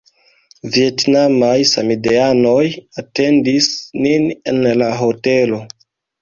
Vjetnamaj samideanoj atendis nin en la hotelo.